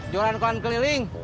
jualan koran keliling